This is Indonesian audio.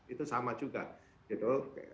itu sama juga gitu